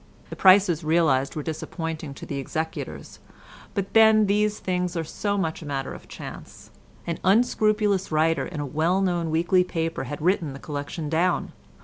The prices realised were disappointing to the executors, but, then, these things are so much a matter of chance. An unscrupulous writer in a well known weekly paper had written the collection down.